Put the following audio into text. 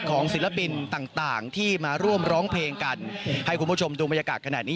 ศิลปินต่างต่างที่มาร่วมร้องเพลงกันให้คุณผู้ชมดูบรรยากาศขนาดนี้